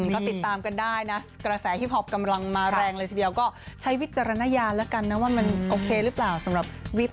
วิบวับวิบวับวิบวับ